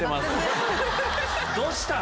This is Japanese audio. どうした？